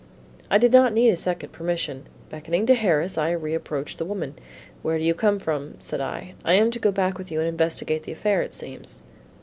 I did not need a second permission. Beckoning to Harris, I reapproached the woman. "Where do you come from," said I, "I am to go back with you and investigate the affair it seems."